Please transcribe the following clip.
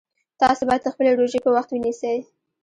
تاسو باید خپلې روژې په وخت ونیسئ